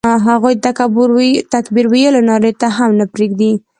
هغوی د تکبیر ویلو نارې ته هم نه پرېږدي.